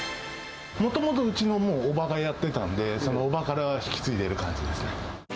もともとうちの伯母がやってたんで、その伯母から引き継いでいる感じですね。